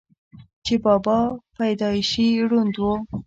چې بابا پېدائشي ړوند وو،